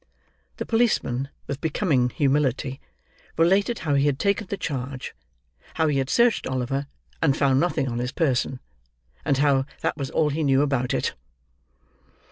The policeman, with becoming humility, related how he had taken the charge; how he had searched Oliver, and found nothing on his person; and how that was all he knew about it.